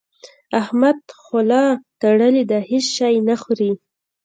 احمد خوله تړلې ده؛ هيڅ شی نه خوري.